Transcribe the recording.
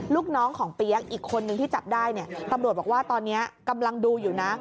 ลูกน้องของเปี๊ยกอีกคนนึงที่จับได้เนี่ยตำรวจบอกว่าตอนนี้กำลังดูอยู่นะ